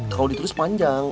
kalau ditulis panjang